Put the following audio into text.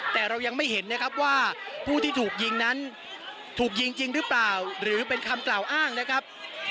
แต่เรายังไม่เห็นนะครับว่าผู้ที่ถูกยิงนั้นถูกยิงจริงหรือเปล่าหรือเป็นคำกล่าวอ้างนะครับ